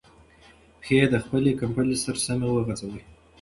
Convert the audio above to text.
پښې د خپلې کمپلې سره سمې وغځوئ.